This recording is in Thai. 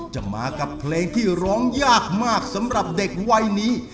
จะมากับเพลงที่ร้องยากมากสำหรับเด็กวัยนี้